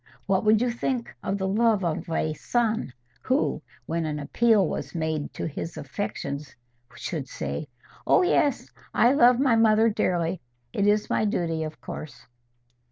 What would you think of the love of a son who, when an appeal was made to his affections, should say, 'Oh yes, I love my mother dearly: it is my duty, of course?